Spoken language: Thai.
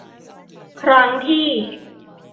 ครั้งที่